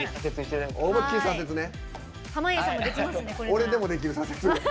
俺でもできる左折。